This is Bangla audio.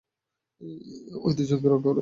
ওই দুজনকে রক্ষা করো।